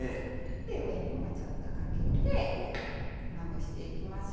上にもちょっとかけてまぶしていきますよ。